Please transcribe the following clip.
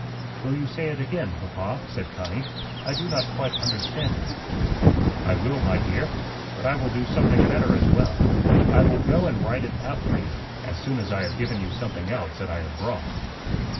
"Will you say it again, papa?" said Connie; "I do not quite understand it." "I will, my dear. But I will do something better as well. I will go and write it out for you, as soon as I have given you something else that I have brought."